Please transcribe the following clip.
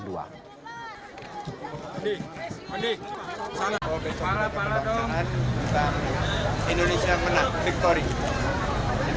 pada kebangsaan indonesia menang victory